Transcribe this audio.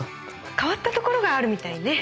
変わったところがあるみたいね？